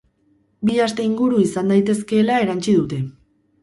Bi aste inguru izan daitezkeela erantsi dute.